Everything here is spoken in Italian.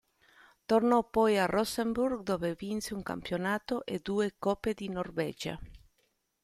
Tornò poi al Rosenborg, dove vinse un campionato e due Coppe di Norvegia.